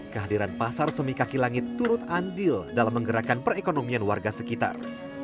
kehadiran pasar semikaki langit turut andil dalam menggerakkan perekonomian warga sekitar